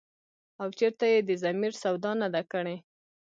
او چرته ئې د ضمير سودا نه ده کړې ۔”